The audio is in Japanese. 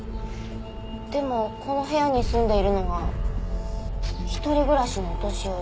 でもこの部屋に住んでいるのは一人暮らしのお年寄り。